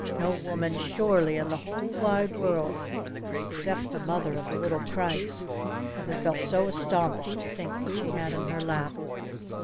No woman surely in the whole wide world except the Mother of the Little Christ ever felt so astonished to think what she had in her lap!"